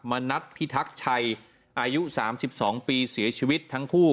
มานัดพิทักษ์ชัยอายุสามสิบสองปีเสียชีวิตทั้งคู่